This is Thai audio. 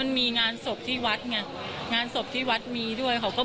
พูดสิทธิ์ข่าวธรรมดาทีวีรายงานสดจากโรงพยาบาลพระนครศรีอยุธยาครับ